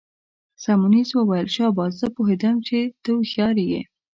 سیمونز وویل: شاباس، زه پوهیدم چي ته هوښیار يې.